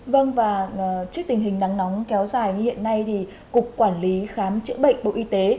vâng và trước tình hình nắng nóng kéo dài như hiện nay thì cục quản lý khám chữa bệnh bộ y tế